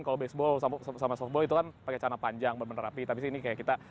kalau baseball sampai sobat itu kan pakai sana panjang bener bener api tapi sini kayak kita